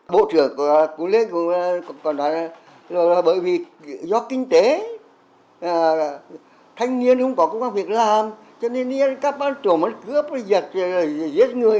bộ trưởng cũng nói là bởi vì do kinh tế thanh niên cũng có việc làm cho nên các ban trưởng cướp giết người